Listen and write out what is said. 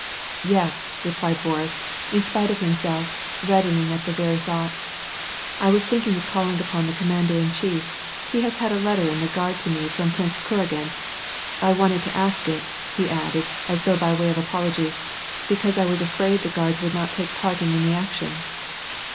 ^' Yes," replied Boris, in spite of himself, reddening at the very thought, '* I was thinking of calling upon the commander in chief ; he has had a letter in regard to me from Prince Ku ragin ; I wanted to ask it," he added, as though by way of apology, " because I was afraid the Guards would not take part in any action."